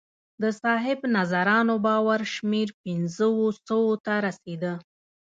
د صاحب نظرانو باور شمېر پنځو سوو ته رسېده